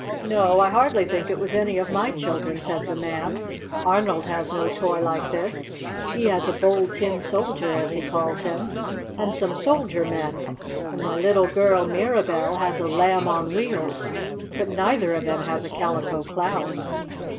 "No, I hardly think it was any of MY children," said the Man. "Arnold has no toy like this. He has a Bold Tin Soldier, as he calls him, and some soldier men. And my little girl, Mirabell, has a Lamb on Wheels. But neither of them has a Calico Clown."